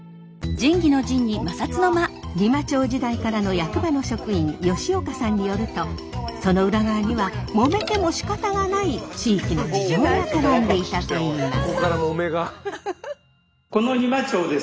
仁摩町時代からの役場の職員吉岡さんによるとその裏側にはもめても仕方がない地域の事情が絡んでいたといいます。